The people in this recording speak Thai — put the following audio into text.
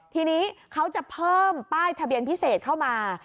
ทีนี้เขาจะเพิ่มป้ายทะเบียนพิเศษเข้ามา